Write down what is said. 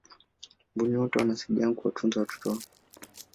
mbuni wote wanasaidiana kuwatunza watoto wao